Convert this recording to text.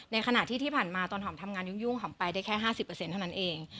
ในขณะที่ผ่านมาตอนหอมทำงานยุ่งหอมไปได้แค่ห้าสิบเปอร์เซ็นต์เท่านั้นเอง